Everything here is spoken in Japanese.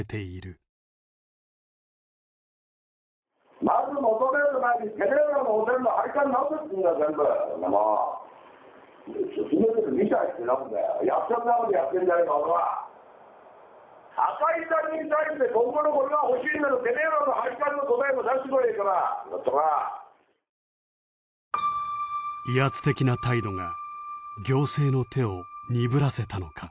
威圧的な態度が行政の手を鈍らせたのか？